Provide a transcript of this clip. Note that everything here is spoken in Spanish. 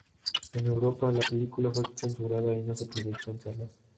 En Europa, la película fue censurada y no se proyectó en salas.